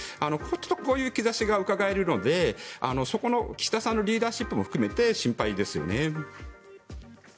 こういう兆しがうかがえるのでそこの岸田さんのリーダーシップも含めて心配ですよね。